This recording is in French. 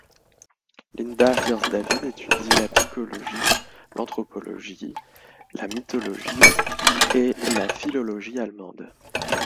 Linda Fierz-David étudie la psychologie, l'anthropologie, la mythologie et la philologie allemande.